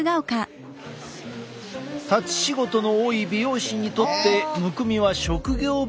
立ち仕事の多い美容師にとってむくみは職業病ともいわれている。